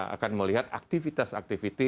akan melihat aktivitas aktivitas